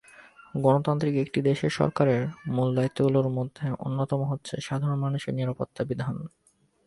গণতান্ত্রিক একটি দেশে সরকারের মূল দায়িত্বগুলোর মধ্যে অন্যতম হচ্ছে সাধারণ মানুষের নিরাপত্তা বিধান।